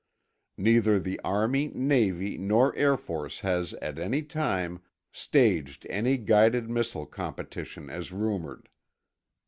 Neither the Army, Navy, nor Air Force has at any time staged any guided missile competition as rumored.